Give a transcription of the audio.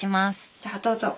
じゃあどうぞ。